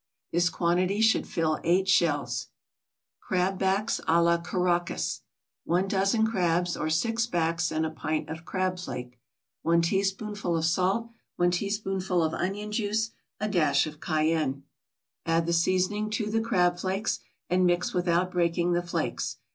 This quantity should fill eight shells. CRAB BACKS à la CARACAS 1 dozen crabs, or six backs and a pint of crab flake 1 teaspoonful of salt 1 teaspoonful of onion juice A dash of cayenne Add the seasoning to the crab flakes, and mix without breaking the flakes.